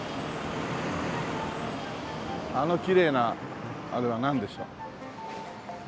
あのきれいなあれはなんでしょう？